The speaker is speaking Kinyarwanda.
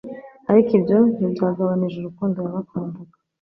ariko ibyo ntibyagabanije urukundo yabakundaga.